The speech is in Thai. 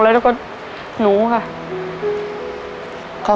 แล้วก็หนูครับ